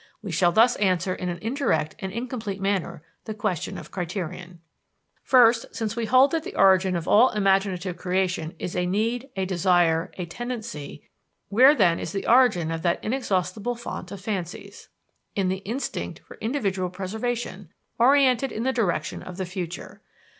We shall thus answer in an indirect and incomplete manner the question of criterion. First, since we hold that the origin of all imaginative creation is a need, a desire, a tendency, where then is the origin of that inexhaustible fount of fancies? In the instinct for individual preservation, orientated in the direction of the future.